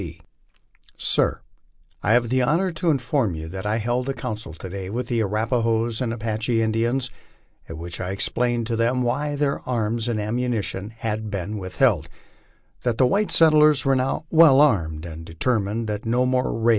D. C.: SIR: I have the honor ,o inform you that I held a council to day with the Arapahoes and Apache Indians, at which I explained to them why their arms and ammunition had been with LIFE ON THE PLAINS. 105 field,* that the white settlers were now well armed and determined that no more n .